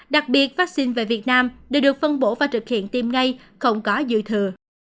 đặc biệt vắc xin về việt nam đều được phân bổ và thực hiện tiêm ngay không có dự thừa